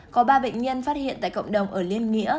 có ba bệnh nhân phát hiện tại cộng đồng ở liên nghĩa